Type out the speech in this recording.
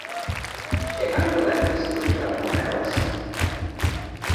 Què van voler construir els rebels?